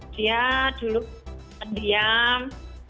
dia dulu diam